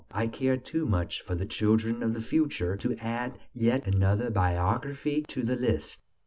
I care too much for the children of the future to add yet another biography to the list."